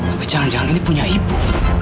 tapi jangan jangan ini punya ibu